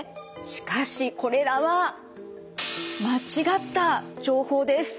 しかしこれらは間違った情報です。